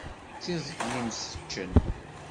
D tiẓgi yemseččen.